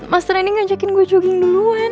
mas trending ngajakin gue jogging duluan